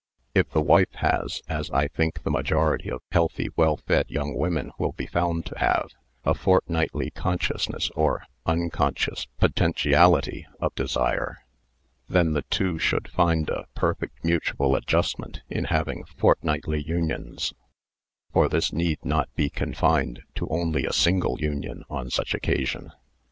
If the wife has, as I think the majority of healthy, well fed young women will be found to have, a fort nightly consciousness or unconscious potentiality of desire, then the two should find a perfect mutual ad justment in having fortnightly unions; for this need not be confined to only a single union on such occa sion.